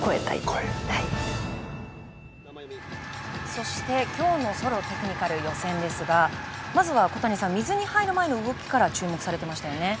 そして、今日のソロテクニカル予選ですがまずは小谷さん水に入る前の動きから注目されてましたよね。